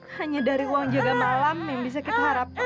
hanya dari uang jaga malam yang bisa kita harapkan